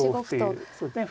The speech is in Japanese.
そうですね